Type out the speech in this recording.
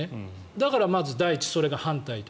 だからまず第一、それが反対と。